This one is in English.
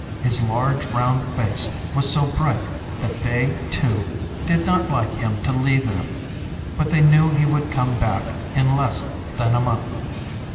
His large round face was so bright that they, too, did not like him to leave them; but they knew he would come back in less than a month.